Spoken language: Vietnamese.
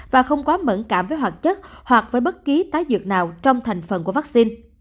và không quá mẫn cảm với hoạt chất hoặc với bất kỳ tái dược nào trong thành phần của vaccine